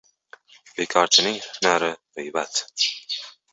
Bekorchining hunari — g'iybat.